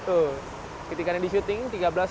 tuh ketika di syuting tiga belas dua puluh empat